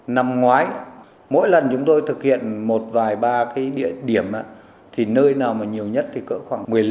năm ngoái mỗi lần chúng tôi thực hiện một vài ba cái điểm thì nơi nào mà nhiều nhất thì có khoảng một mươi năm đến hai mươi trường hợp